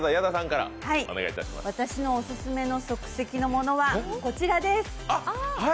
私のオススメの即席のものは、こちらです。